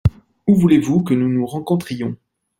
Où voulez-vous que nous nous rencontrions ?